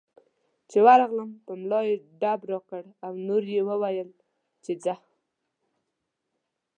چې ورغلم په ملا یې ډب راکړ او نور یې وویل چې ځه.